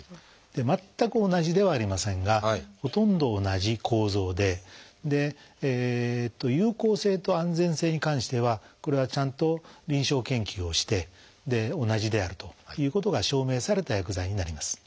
全く同じではありませんがほとんど同じ構造で有効性と安全性に関してはこれはちゃんと臨床研究をして同じであるということが証明された薬剤になります。